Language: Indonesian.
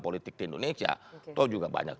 politik di indonesia toh juga banyak